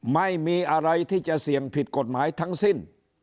ไม่มีอะไรที่จะเสี่ยงผิดกฎหมายทั้งสิ้น